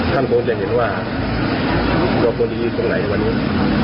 ท่านคงจะเห็นว่ากระบวนอยู่ตรงไหนวันนี้